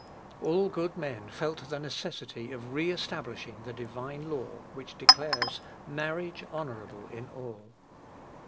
All good men felt the necessity of re establishing the divine law, which declares marriage honorable in all.